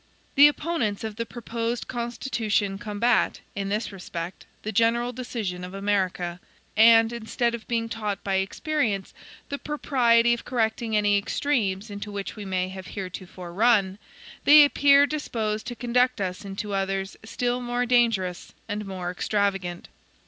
The opponents of the proposed Constitution combat, in this respect, the general decision of America; and instead of being taught by experience the propriety of correcting any extremes into which we may have heretofore run, they appear disposed to conduct us into others still more dangerous, and more extravagant.